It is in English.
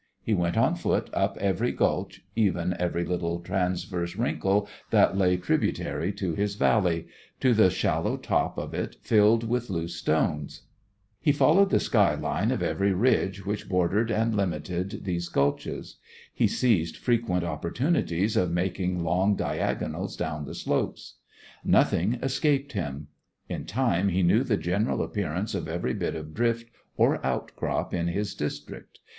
He went on foot up every gulch, even every little transverse wrinkle that lay tributary to his valley, to the shallow top of it filled with loose stones; he followed the sky line of every ridge which bordered and limited these gulches; he seized frequent opportunities of making long diagonals down the slopes. Nothing escaped him. In time he knew the general appearance of every bit of drift or outcrop in his district.